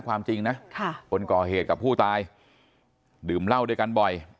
ความจริงนะคนก่อเหตุกับผู้ตายดื่มเหล้าด้วยกันบ่อย